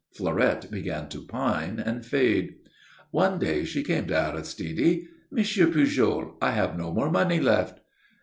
Fleurette began to pine and fade. One day she came to Aristide. "M. Pujol, I have no more money left."